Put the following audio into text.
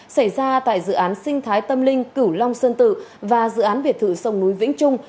xảy ra tại dự án sinh thái tâm linh cửu long sơn tự và dự án biệt thự sông núi vĩnh trung